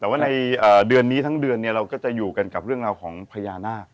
วันนี้ทั้งเดือนเราก็จะอยู่กับเรื่องของพญานาค